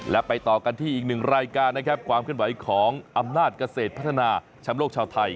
และไปต่อกันที่อีกหนึ่งรายการนะครับความเคลื่อนไหวของอำนาจเกษตรพัฒนาแชมป์โลกชาวไทย